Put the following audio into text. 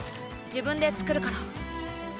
自分で作るから。